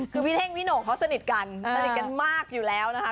คือพี่เท่งพี่โหน่งเขาสนิทกันสนิทกันมากอยู่แล้วนะคะ